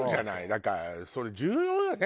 だからそれ重要よね。